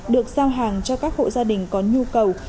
được giao hàng cho các hộ gia đình có nhu cầu